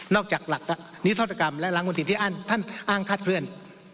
นอกจากหลักนิสัตว์กรรมและล้างวนทินที่ท่านอ้างคาดเคลื่อน